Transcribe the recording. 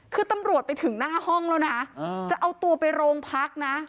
คือตำรวจไปถึงหน้าห้องแล้วนะจะเอาตัวไปโรงพักนะ